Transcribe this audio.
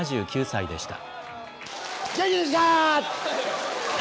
７９歳でした。